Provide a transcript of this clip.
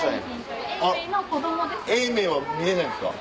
永明は見れないんですか？